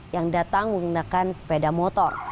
yang datang menggunakan sepeda motor